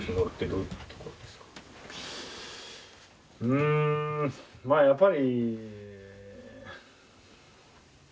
うんまあやっぱり。